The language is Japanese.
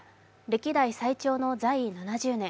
歴代最長の在位７０年。